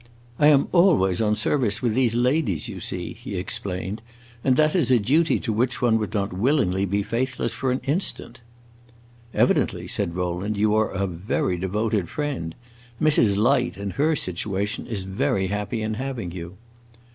"I am always on service with these ladies, you see," he explained, "and that is a duty to which one would not willingly be faithless for an instant." "Evidently," said Rowland, "you are a very devoted friend. Mrs. Light, in her situation, is very happy in having you."